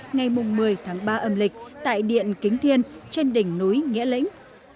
ngày một mươi tháng ba âm lịch tại điện kính thiên trên đỉnh núi nghĩa lĩnh